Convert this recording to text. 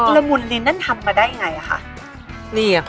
และละบุนลิ้นนั้นทำได้ยังไงคะ